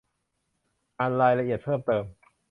อ่านรายละเอียดเพิ่มเติม